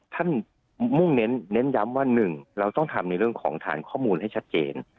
มุ่งเน้นย้ำว่า๑เราต้องทำในเรื่องของฐานข้อมูลให้ชัดเจน